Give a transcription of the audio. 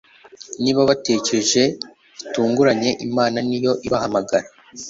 Niba batekereje gitunguranye Imana niyo ibahamagara